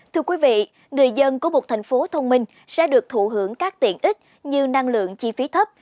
thưa quý vị người dân của một thành phố thông minh sẽ được thụ hưởng các tiện ích như năng lượng chi phí thấp